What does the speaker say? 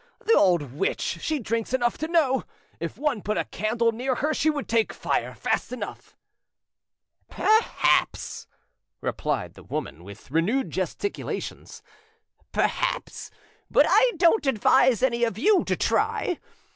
The old witch, she drinks enough to know! If one put a candle near her she would take fire, fast enough!" "Perhaps," replied the woman, with renewed gesticulations, "perhaps; but I don't advise any of you to try.